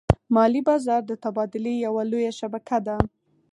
مالي بازار د تبادلې یوه لویه شبکه ده.